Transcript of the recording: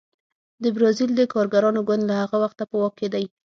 د بزازیل د کارګرانو ګوند له هغه وخته په واک کې دی.